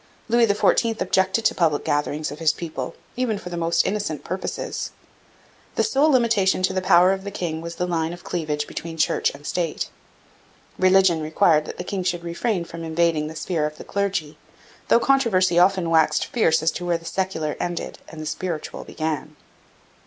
Louis XIV objected to public gatherings of his people, even for the most innocent purposes. The sole limitation to the power of the king was the line of cleavage between Church and State. Religion required that the king should refrain from invading the sphere of the clergy, though controversy often waxed fierce as to where the secular ended and the spiritual began.